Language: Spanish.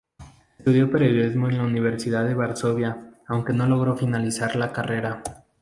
Estudió periodismo en la Universidad de Varsovia, aunque no logró finalizar la carrera.